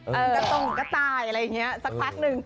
กระตงกระต่ายอะไรอย่างนี้สักพักหนึ่ง